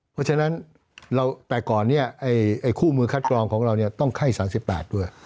เพราะฉะนั้นแต่ก่อนเนี่ยคู่มือคัดกรองของเราต้องไข้๓๘ด้วย